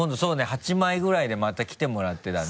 ８枚ぐらいでまた来てもらってだね。